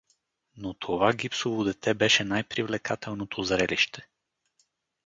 Но това гипсово дете беше най-привлекателното зрелище.